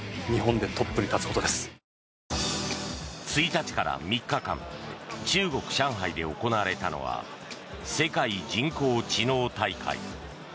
１日から３日間中国・上海で行われたのは世界人工知能大会。